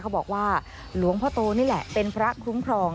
เขาบอกว่าหลวงพ่อโตนี่แหละเป็นพระคุ้มครอง